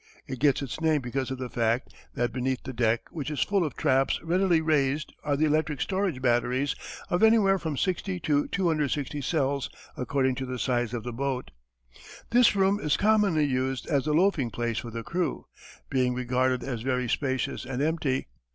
It gets its name because of the fact, that beneath the deck which is full of traps readily raised are the electric storage batteries of anywhere from 60 to 260 cells according to the size of the boat. This room is commonly used as the loafing place for the crew, being regarded as very spacious and empty.